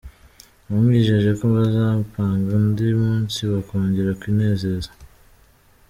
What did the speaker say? Yamwijeje ko bazapanga undi munsi bakongera kwinezeza.